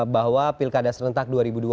bahwa pilkada serentak dua ribu dua puluh